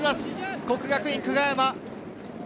國學院久我山。